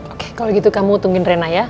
oke kalo gitu kamu tungguin rena ya